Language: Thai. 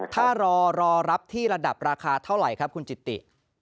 ถ้ารอรอรับที่ระดับราคาเท่าไหร่ครับคุณจิติ